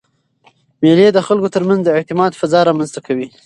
مېلې د خلکو ترمنځ د اعتماد فضا رامنځ ته کوي.